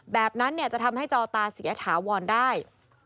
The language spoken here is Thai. แบบนั้นจะทำให้จอตาเสียถาวรได้